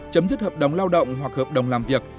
chấm dứt hợp đồng lao động hoặc hợp đồng làm việc